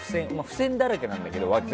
付箋だらかけなんだけど。